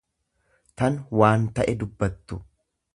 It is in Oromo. tan waan ta'e dubbattu.